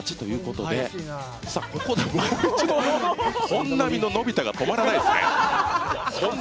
本並の、のび太が止まらないですね。